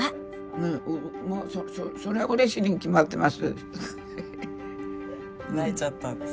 もうそらうれしいに決まってます。